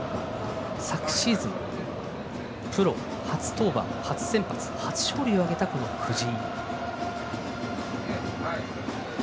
昨シーズン、プロ初登板初先発、初勝利を挙げた藤井。